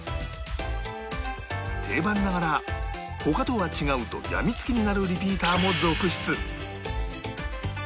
定番ながら他とは違うとやみつきになるリピーターも続出